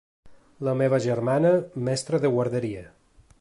La meva germana, mestra de guarderia.